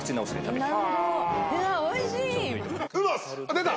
出た！